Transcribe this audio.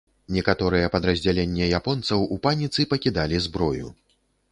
Некаторыя падраздзялення японцаў у паніцы пакідалі зброю.